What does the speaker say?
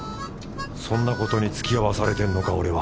そんなことにつきあわされてんのか俺は？